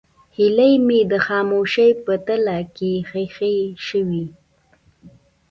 هیلې مې د خاموشۍ په تله کې ښخې شوې.